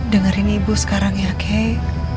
dengerin ibu sekarang ya key